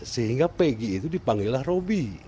sehingga pegi itu dipanggil robi